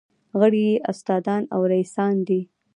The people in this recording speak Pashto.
غړي یې استادان او رییسان دي.